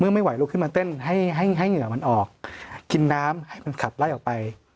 ไม่ไหวลุกขึ้นมาเต้นให้ให้เหงื่อมันออกกินน้ำให้มันขับไล่ออกไป